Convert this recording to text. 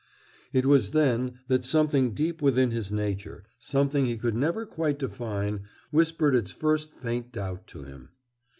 It was then that something deep within his nature, something he could never quite define, whispered its first faint doubt to him.